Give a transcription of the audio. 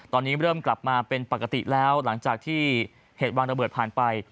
ตอนนี้เริ่มกลับมาเป็นปกติแล้วหลังจากที่เหตุวางระเบิดผ่านไป